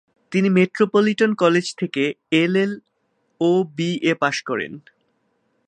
তিনি metropolitan college থেকে LA ও বিএ পাস করেন।